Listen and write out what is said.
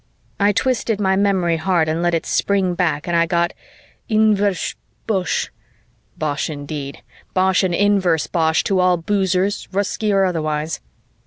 I twisted my memory hard and let it spring back and I got "Inversh ... bosh ..." Bosh, indeed! Bosh and inverse bosh to all boozers, Russki or otherwise.